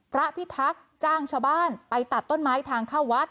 พระพิทักษ์จ้างชาวบ้านไปตัดต้นไม้ทางเข้าวัด